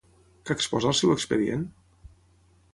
Què exposa el seu expedient?